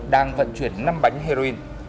đang vận chuyển năm bánh heroin